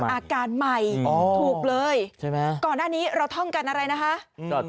อาการใหม่ถูกเลยใช่ไหมก่อนหน้านี้เราท่องกันอะไรนะคะ